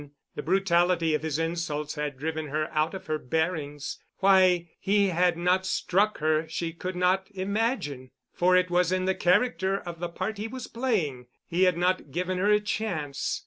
The brutality of his insults had driven her out of her bearings. Why he had not struck her she could not imagine, for it was in the character of the part he was playing. He had not given her a chance.